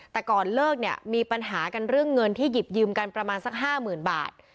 แต่ก่อนเลิกเนี่ยมีปัญหากันเรื่องเงินที่หยิบยืมกันประมาณสัก๕๐๐๐บาท